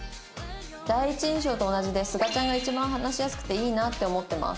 「第一印象と同じですがちゃんが一番話しやすくていいなって思ってます」